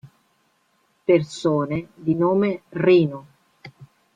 Persone di nome Rino